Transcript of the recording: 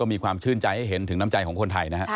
มีความชื่นใจให้เห็นถึงน้ำใจของคนไทยนะฮะ